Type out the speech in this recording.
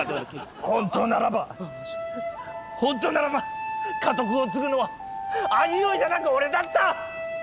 本当ならば本当ならば家督を継ぐのは兄上じゃなく俺だった！